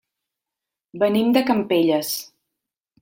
Venim de Campelles.